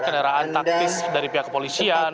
kendaraan taktis dari pihak kepolisian